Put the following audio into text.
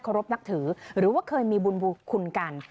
เคารพนักถือหรือว่าเคยมีบุญบุคคลกัน